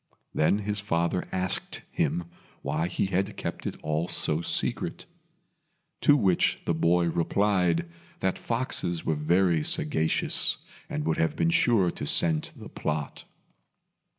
Then his father asked him why he had kept it all so secret; to which the boy replied that foxes were very sagacious, and would have been sure to scent the plot.